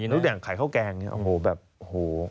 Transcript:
หลังขายข้าวแกงแบบโห